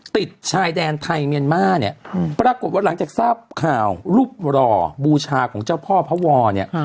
ติดชายแดนไทยเมียรมาสปรากฏหลังจากทราบข่าวรูปร่อบูชาของเจ้าพ่อพ่อวอเนี่ย